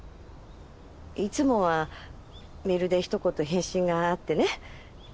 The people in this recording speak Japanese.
いつもはメールで一言返信があってね